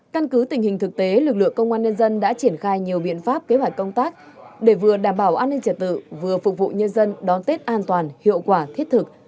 căn cứ tình hình thực tế lực lượng công an nhân dân đã triển khai nhiều biện pháp kế hoạch công tác để vừa đảm bảo an ninh trật tự vừa phục vụ nhân dân đón tết an toàn hiệu quả thiết thực